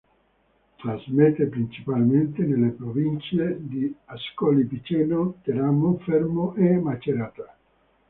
Trasmette principalmente nelle province di Ascoli Piceno, Teramo, Fermo e Macerata.